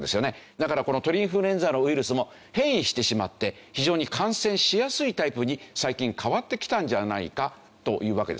だからこの鳥インフルエンザのウイルスも変異してしまって非常に感染しやすいタイプに最近変わってきたんじゃないかというわけですね。